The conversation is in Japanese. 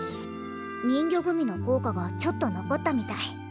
人魚グミの効果がちょっと残ったみたい。